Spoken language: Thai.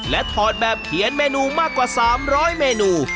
และถอดแบบเขียนเมนูมากกว่า๓๐๐เมนู